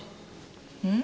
うん？